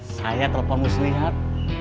saya terlupa muslihat